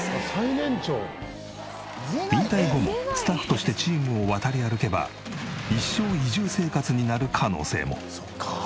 引退後もスタッフとしてチームを渡り歩けば一生移住生活になる可能性も。